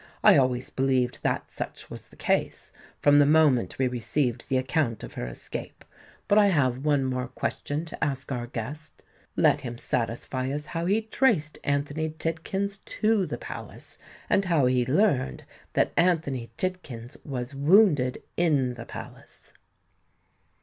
I always believed that such was the case, from the moment we received the account of her escape. But I have one more question to ask our guest. Let him satisfy us how he traced Anthony Tidkins to the Palace, and how he learnt that Anthony Tidkins was wounded in the Palace."